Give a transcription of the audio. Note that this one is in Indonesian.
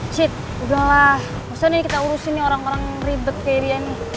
cit udah lah bisa nih kita urusin nih orang orang yang ribet kayak dia nih